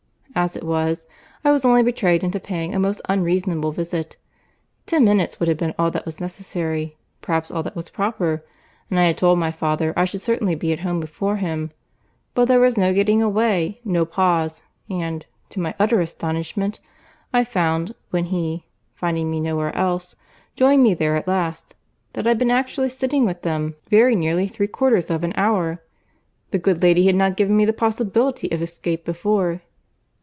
As it was, I was only betrayed into paying a most unreasonable visit. Ten minutes would have been all that was necessary, perhaps all that was proper; and I had told my father I should certainly be at home before him—but there was no getting away, no pause; and, to my utter astonishment, I found, when he (finding me nowhere else) joined me there at last, that I had been actually sitting with them very nearly three quarters of an hour. The good lady had not given me the possibility of escape before."